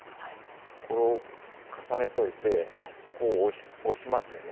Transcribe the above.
これを重ねといてこう押しますよね。